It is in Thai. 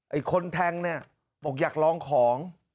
ไอ้คนแทงเนี่ยบอกอยากลองของ